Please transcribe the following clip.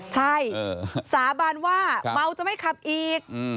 ใช่สาบานว่าเมาจะไม่ขับอีก